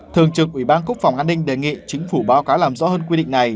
thường trực ủy ban quốc phòng an ninh đề nghị chính phủ báo cáo làm rõ hơn quy định này